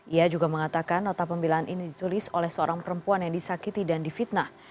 ia juga mengatakan nota pembelaan ini ditulis oleh seorang perempuan yang disakiti dan difitnah